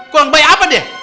kuang kebaya apa dia